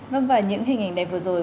vâng và những hình ảnh đẹp vừa rồi